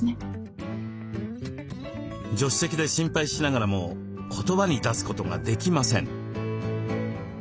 助手席で心配しながらも言葉に出すことができません。